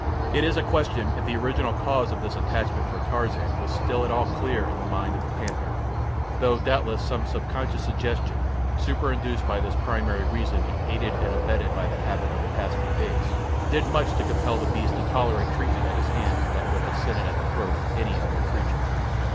It is a question if the original cause of his attachment for Tarzan was still at all clear in the mind of the panther, though doubtless some subconscious suggestion, superinduced by this primary reason and aided and abetted by the habit of the past few days, did much to compel the beast to tolerate treatment at his hands that would have sent it at the throat of any other creature.